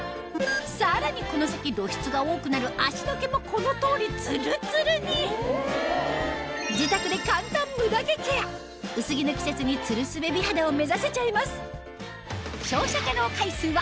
さらにこの先露出が多くなる脚の毛もこの通りツルツルに薄着の季節にツルスベ美肌を目指せちゃいます